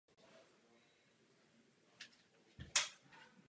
Obzvláště se zajímal o sociologii elit.